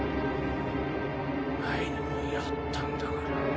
前にもやったんだから。